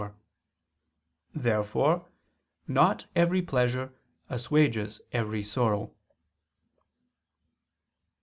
Therefore not every pleasure assuages every sorrow.